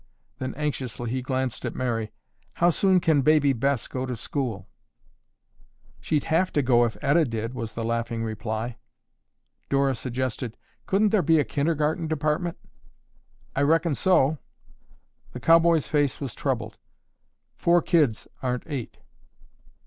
Then, anxiously he glanced at Mary. "How soon can Baby Bess go to school?" "She'd have to go if Etta did," was the laughing reply. Dora suggested, "Couldn't there be a kindergarten department?" "I reckon so." The cowboy's face was troubled. "Four kids aren't eight."